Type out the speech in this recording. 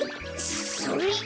それ！